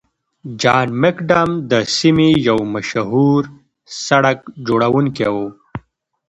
جان مکډم د سیمې یو مشهور سړک جوړونکی و.